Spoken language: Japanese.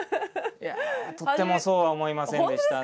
とてもそうは思いませんでしたね。